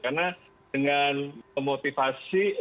karena dengan motivasi itu akan lebih berdasarkan